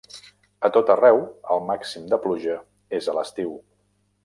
A tot arreu el màxim de pluja és a l'estiu.